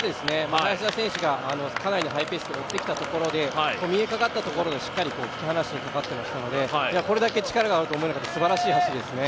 林田選手がかなりハイペースで追ってきたところで、しっかり引き離しにかかってましたので、これだけ力があると思わなかった、すばらしい走りですね。